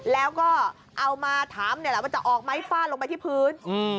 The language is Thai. แล้วก็เอามาถามนี่แหละว่าจะออกไหมฟาดลงไปที่พื้น